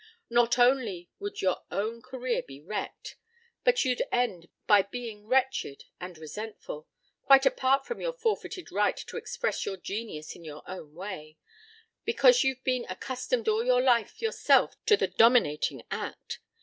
Not only would your own career be wrecked, but you'd end by being wretched and resentful quite apart from your forfeited right to express your genius in your own way because you've been accustomed all your life yourself to the dominating act.